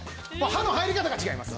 刃の入り方が違います。